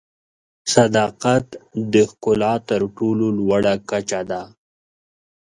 صداقت د ښکلا تر ټولو لوړه کچه ده.